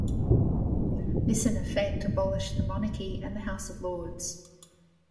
This in effect abolished the monarchy and the House of Lords.